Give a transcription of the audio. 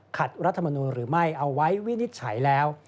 รัฐมนูลหรือไม่เอาไว้วินิจฉัยแล้ว